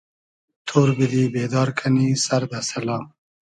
تۉر بیدی , بېدار کئنی سئر دۂ سئلا